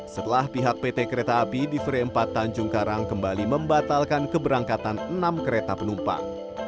setelah pihak pt kereta api di free empat tanjung karang kembali membatalkan keberangkatan enam kereta penumpang